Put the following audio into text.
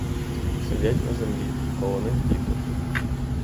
Сидять на землі, коло них діти.